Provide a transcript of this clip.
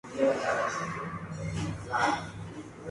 Habita en Birmania y Tailandia.